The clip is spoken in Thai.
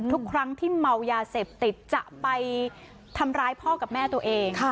ทุกครั้งที่เมายาเสพติดจะไปทำร้ายพ่อกับแม่ตัวเอง